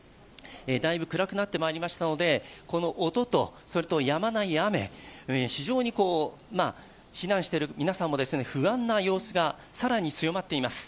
だいぶ暗くなってまいりましたのでこの音とやまない雨、非常に避難している皆さんも不安な様子が更に強まっています。